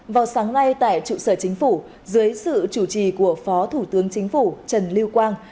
vào sáng nay tại trụ sở chính phủ dưới sự chủ trì của phó thủ tướng chính phủ trần lưu quang